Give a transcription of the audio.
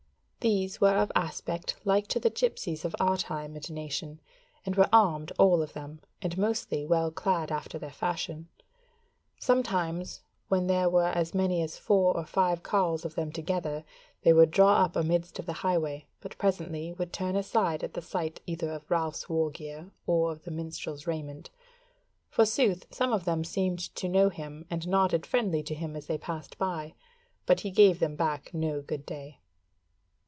These were of aspect like to the gipsies of our time and nation, and were armed all of them, and mostly well clad after their fashion. Sometimes when there were as many as four or five carles of them together, they would draw up amidst of the highway, but presently would turn aside at the sight either of Ralph's war gear or of the minstrel's raiment. Forsooth, some of them seemed to know him, and nodded friendly to him as they passed by, but he gave them back no good day.